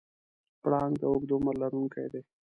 پړانګ د اوږده عمر لرونکی دی.